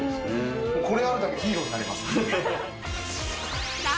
これがあるだけでヒーローになれます。